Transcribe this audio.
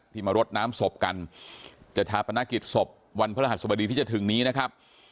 มารดน้ำศพกันจะชาปนกิจศพวันพระรหัสบดีที่จะถึงนี้นะครับ